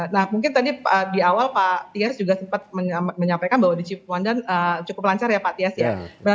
nah mungkin tadi di awal pak tias juga sempat menyampaikan bahwa di cipondan cukup lancar ya pak tias ya